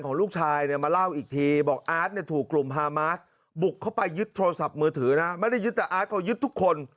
ลูกชายเนี่ยมาเล่าอีกทีบอกอาร์ตเนี่ยถูกกลุ่มฮามาสบุกเข้าไปยึดโทรศัพท์มือถือนะไม่ได้ยึดแต่อาร์ตเขายึดทุกคน